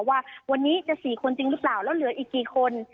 ว่าวันนี้จะ๔คนจริงหรือเปล่าแล้วเหลืออีกกี่คน